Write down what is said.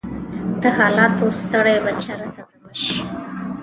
د حالاتو ستړی به چیرته دمه شي؟